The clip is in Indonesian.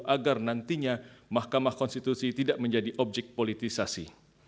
agar nantinya mahkamah konstitusi tidak menjadi objek politisasi